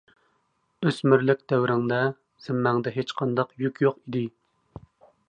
ئۆسمۈرلۈك دەۋرىڭدە زىممەڭدە ھېچقانداق يۈك يوق ئىدى.